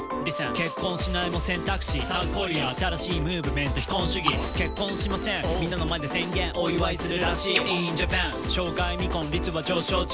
結婚しないも選択肢」「ＳｏｕｔｈＫｏｒｅａ」「新しいムーブメント非婚主義」「結婚しませんみんなの前で宣言お祝いするらしい」「ｉｎＪａｐａｎ生涯未婚率は上昇中」